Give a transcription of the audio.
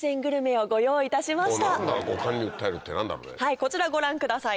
こちらご覧ください。